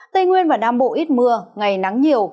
tây nguyên và nam bộ ít mưa ngày nắng nhiều